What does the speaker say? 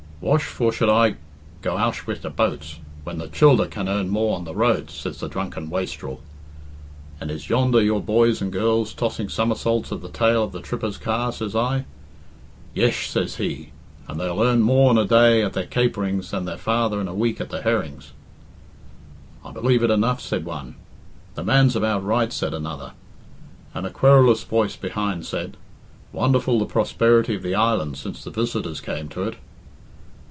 'Wash for should I go owsh wish the boash, when the childer can earn more on the roads?' says the drunken wastrel. 'And is yonder your boys and girls tossing summersaults at the tail of the trippers' car?' says I. 'Yesh,' says he; 'and they'll earn more in a day at their caperings than their father in a week at the herrings.'" "I believe it enough," said one. "The man's about right," said another; and a querulous voice behind said, "Wonderful the prosperity of the island since the visitors came to it."